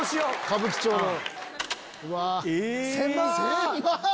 歌舞伎町の。